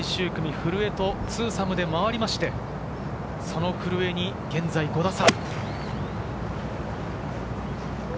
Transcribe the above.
古江とツーサムで回って古江に現在５打差。